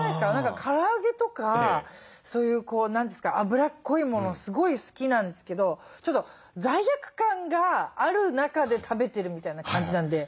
から揚げとかそういうあぶらっこいものすごい好きなんですけどちょっと罪悪感がある中で食べてるみたいな感じなんで。